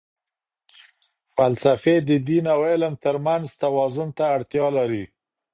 فلسفې د دین او علم ترمنځ توازن ته اړتیا لري.